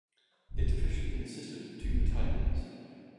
It officially consisted of two battalions.